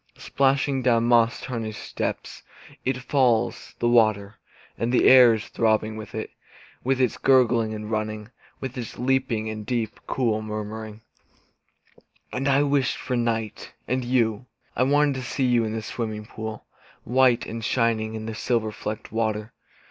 Splashing down moss tarnished steps It falls, the water; And the air is throbbing with it. With its gurgling and running. With its leaping, and deep, cool murmur. And I wished for night and you. I wanted to see you in the swimming pool, White and shining in the silver flecked water.